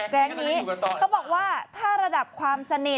จริงพี่ก็บอกว่าถ้าระดับความสนิท